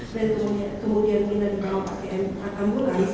dan kemudian mirna dibawa pakai ambulans